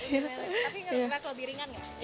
tapi lebih ringan ya